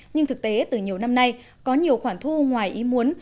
nhưng thực tế từ nhiều năm nay có nhiều khoản thu ngoài ý muốn